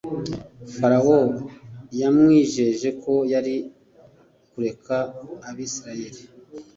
farawo yamwijeje ko yari kureka abisirayeli